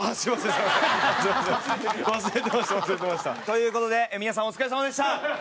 という事で皆さんお疲れさまでした。